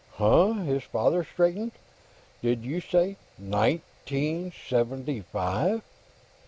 "Huh?" His father straightened. "Did you say nineteen seventy five?"